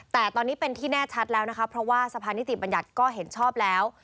แต่ตอนนี้เป็นที่แน่ชัดแล้วนะคะเพราะว่าสะพานิติบัญญัติก็เห็นชอบแล้ว